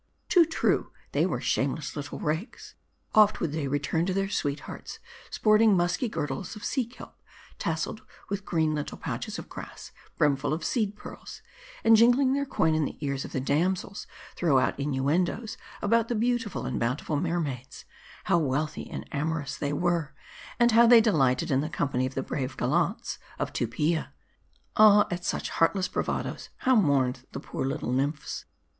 Too true, they were shameless little rakes. Oft would they return to their sweethearts, sporting musky girdles of sea kelp, tasseled with green little pouches of grass, brimful of seed pearls ; and jingling their coin in the ears of the damsels, throw out inuendoes about the beautiful and bountiful mermaids : how wealthy and amorous they were, and how they delighted in the company of the brave gallants of Tupia. Ah ! at such heartless bravadoes, how mourned the poor little nymphs.